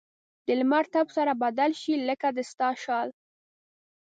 د لمر تپ سره بدل شي؛ لکه د ستا شال.